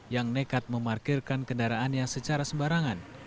yang nekat memarkirkan kendaraannya secara sembarangan